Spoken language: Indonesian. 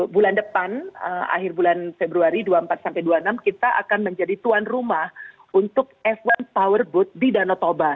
bulan depan akhir bulan februari dua puluh empat sampai dua puluh enam kita akan menjadi tuan rumah untuk f satu powerboat di danau toba